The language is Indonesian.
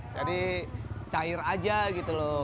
jadi cair aja gitu loh